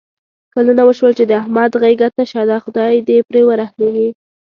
کلونه وشول چې د احمد غېږه تشه ده. خدای دې پرې ورحمېږي.